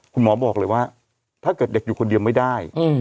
คุณหมอบอกเลยว่าถ้าเกิดเด็กอยู่คนเดียวไม่ได้